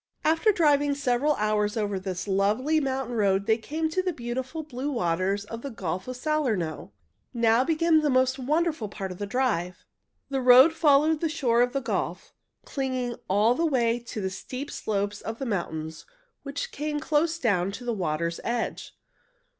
After driving several hours over this lovely mountain road they came to the beautiful blue waters of the Gulf of Salerno. Now began the most wonderful part of the drive. The road followed the shore of the gulf, clinging all the way to the steep slopes of the mountains, which came close down to the water's edge.